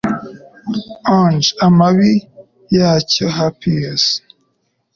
onge amababi yacyo Harpies